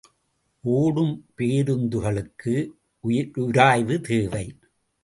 ஓடும் பேருந்துகளுக்கு உராய்வு தேவை.